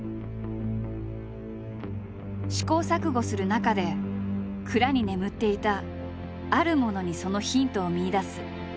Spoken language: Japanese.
試行錯誤する中で蔵に眠っていたあるものにそのヒントを見いだす。